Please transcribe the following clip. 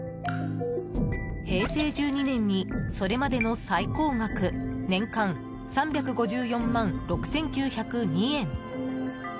平成１２年にそれまでの最高額年間３５４万６９０２円。